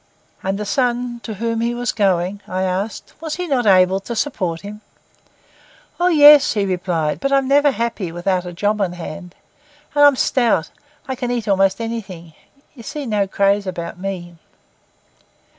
And the son to whom he was going, I asked, was he not able to support him? 'Oh yes,' he replied. 'But I'm never happy without a job on hand. And I'm stout; I can eat a'most anything. You see no craze about me.